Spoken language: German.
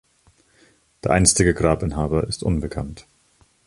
Der einstige Grabinhaber ist unbekannt.